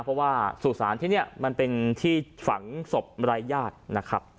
เพราะว่าสู่สารที่นี่มันเป็นที่ฝังศพรายญาตินะครับ